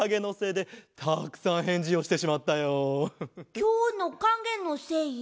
きょうのかげのせい？